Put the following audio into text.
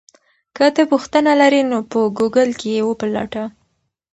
که ته پوښتنه لرې نو په ګوګل کې یې وپلټه.